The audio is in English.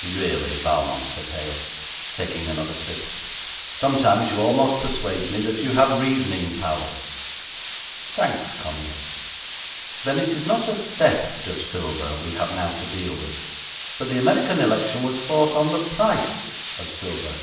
'Really, Valmont,' said Hale, taking another sip, 'sometimes you almost persuade me that you have reasoning powers.' 'Thanks, comrade. Then it is not a theft of silver we have now to deal with. But the American election was fought on the price of silver.